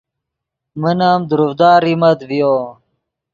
من ام دروڤدا ریمت ڤیو